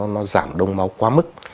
nó giảm đông máu quá mức